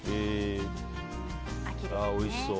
おいしそう。